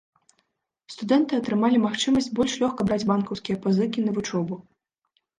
Студэнты атрымалі магчымасць больш лёгка браць банкаўскія пазыкі на вучобу.